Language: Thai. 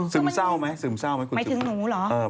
ซึมเศร้าไหมคุณสุดหมายถึงหนูเหรอ